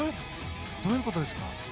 どういうことですか。